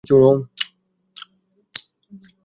সম্ভবত আজই মীট স্টিক্সে আমার শেষ দিন হতে চলেছে।